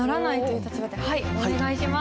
はいお願いします。